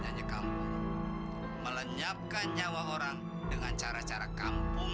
untuk apa menghancam kamu